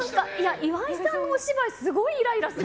岩井さんのお芝居すごいイライラする。